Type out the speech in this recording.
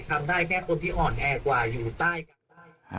ทำได้แค่คนที่อ่อนแอกว่าอยู่ใต้กันใต้